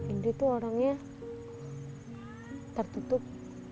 indri tuh orangnya tertutup